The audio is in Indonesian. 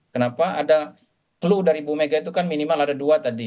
kenapa ada clue dari bu mega itu kan minimal ada dua tadi